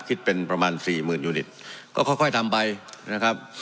คิดเป็นประมาณสี่หมื่นยูนิตก็ค่อยทำไปนะครับ